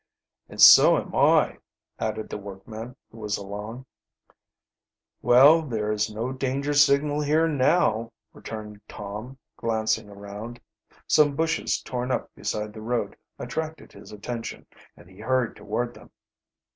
"And so am I," added the workman who was along. "Well, there is no danger signal here now," returned Tom, glancing around. Some bushes torn up beside the road attracted his attention, and he hurried toward them.